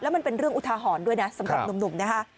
มันเป็นเรื่องอุทาหรณ์ด้วยนะสำหรับหนุ่มนะคะ